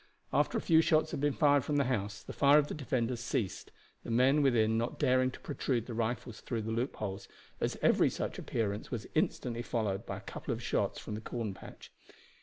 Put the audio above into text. After a few shots had been fired from the house the fire of the defenders ceased, the men within not daring to protrude the rifles through the loopholes, as every such appearance was instantly followed by a couple of shots from the corn patch.